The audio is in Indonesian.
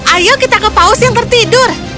ayo kita ke paus yang tertidur